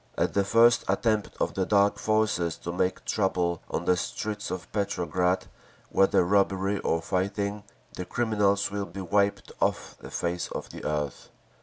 At the first attempt of the Dark Forces to make trouble on the streets of Petrograd, whether robbery or fighting, the criminals will be wiped off the face of the earth!